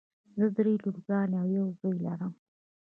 زه دری لورګانې او یو زوی لرم.